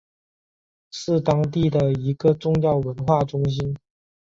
是当地的一个重要的文化中心。